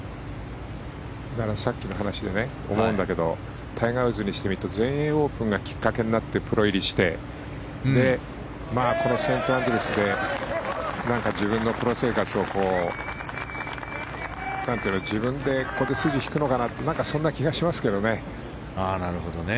さっきの話で思うんだけどタイガー・ウッズにしてみると全英オープンがきっかけになってプロ入りしてこのセントアンドリュースで自分のプロ生活を自分で筋を引くのかとそんな気がしますけどね。